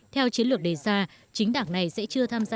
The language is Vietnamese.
theo chiến lược đề ra chính đảng này sẽ chưa tham gia